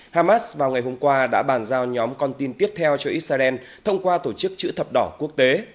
hamas vào ngày hôm qua đã bàn giao nhóm con tin tiếp theo cho israel thông qua tổ chức chữ thập đỏ quốc tế